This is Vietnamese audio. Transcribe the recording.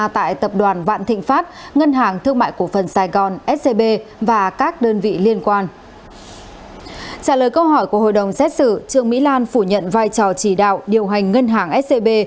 trả lời câu hỏi của hội đồng xét xử trương mỹ lan phủ nhận vai trò chỉ đạo điều hành ngân hàng scb